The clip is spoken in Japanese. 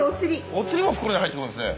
おつりも袋に入ってくるんですね。